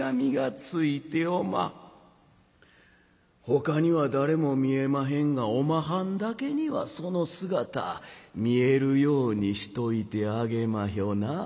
ほかには誰も見えまへんがおまはんだけにはその姿見えるようにしといてあげまひょなあ。